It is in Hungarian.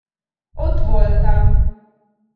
Ott voltam.